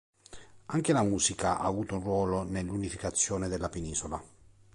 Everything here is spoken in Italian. Anche la musica ha avuto un ruolo nell'unificazione della penisola.